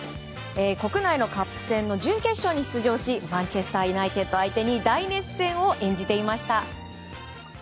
国内のカップ戦の準決勝に出場しマンチェスター・ユナイテッド相手に大熱戦を演じていました。